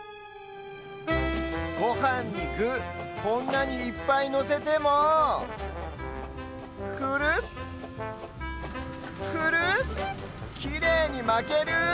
ごはんにぐこんなにいっぱいのせてもクルクルきれいにまける！